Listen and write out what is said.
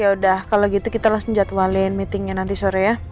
yaudah kalau gitu kita langsung jadwain meetingnya nanti sore ya